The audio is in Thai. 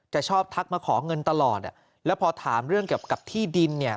ชอบทักมาขอเงินตลอดอ่ะแล้วพอถามเรื่องเกี่ยวกับที่ดินเนี่ย